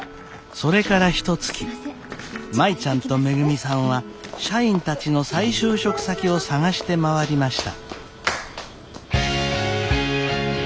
それからひとつき舞ちゃんとめぐみさんは社員たちの再就職先を探して回りました。